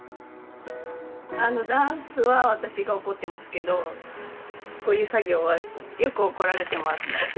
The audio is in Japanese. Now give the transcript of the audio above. ダンスは私が怒ってますけどこういう作業はよく怒られてます。